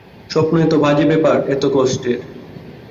স্বপ্ন এত বাজে ব্যাপার, এত কষ্টের!